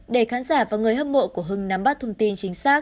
để khán giả và người hâm mộ của hưng nắm bắt thông tin chính xác